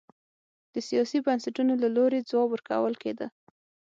د سیاسي بنسټونو له لوري ځواب ورکول کېده.